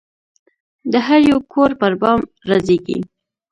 د هریو کور پربام رازیږې